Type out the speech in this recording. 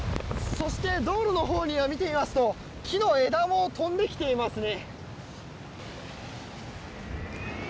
道路のほうを見てみますと木の枝も飛んできていますね。